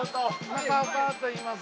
中岡と言います。